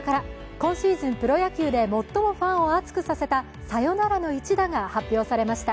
今シーズン、プロ野球で最もファンを熱くさせたサヨナラの一打が発表されました。